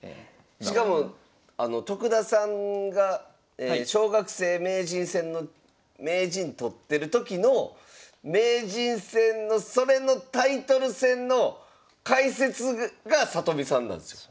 しかも徳田さんが小学生名人戦の名人取ってる時の名人戦のそれのタイトル戦の解説が里見さんなんですよ。